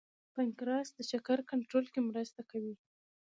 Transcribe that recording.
پنکراس د شکر کنټرول کې مرسته کوي